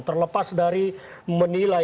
terlepas dari menilai